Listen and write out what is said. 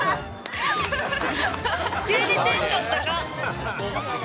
急にテンション高っ。